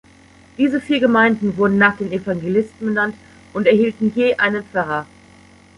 Diese vier Gemeinden wurden nach den Evangelisten benannt und erhielten je einen Pfarrer.